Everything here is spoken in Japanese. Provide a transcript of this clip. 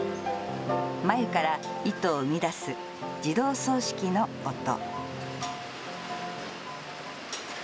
繭から糸を生み出す自動繰糸機の音。